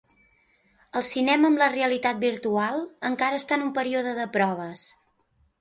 El cinema amb la realitat virtual encara està en un període de proves.